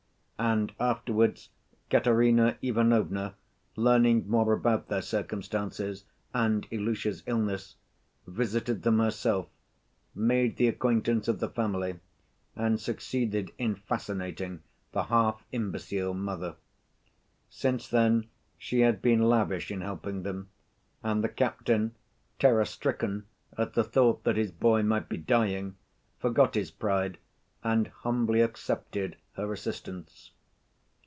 And afterwards Katerina Ivanovna, learning more about their circumstances and Ilusha's illness, visited them herself, made the acquaintance of the family, and succeeded in fascinating the half‐ imbecile mother. Since then she had been lavish in helping them, and the captain, terror‐stricken at the thought that his boy might be dying, forgot his pride and humbly accepted her assistance.